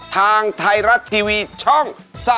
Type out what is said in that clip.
ทางไทยรัฐทีวีช่อง๓๒